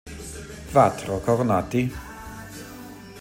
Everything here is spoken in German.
Quattro Coronati".